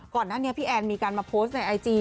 ก่อนหน้านี้พี่แอนมีการมาโพสต์ในไอจี